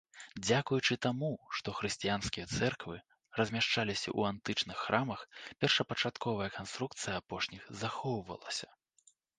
Дзякуючы таму, што хрысціянскія цэрквы размяшчаліся ў антычных храмах, першапачатковая канструкцыя апошніх захоўвалася.